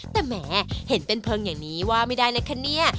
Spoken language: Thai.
แต่แหมเห็นเป็นเพลิงอย่างนี้ว่าไม่ได้นะคะเนี่ย